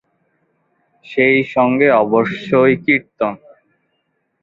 সেইসঙ্গে অবশ্যই কীর্তন।